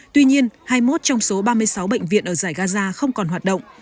tuy nhiên hai mươi một trong số ba mươi sáu bệnh viện ở giải gaza không còn hoạt động